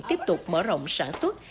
tiếp tục mở rộng sản xuất